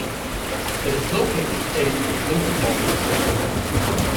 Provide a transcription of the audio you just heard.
It is located in Luxembourg.